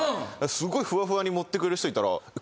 すごいふわふわに盛ってくれる人いたら。